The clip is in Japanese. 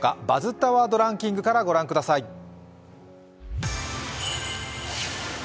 「バズったワードランキング」から御覧ください。